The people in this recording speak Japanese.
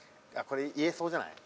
これ言えそうじゃない？